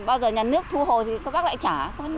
bao giờ nhà nước thu hồi thì các bác lại trả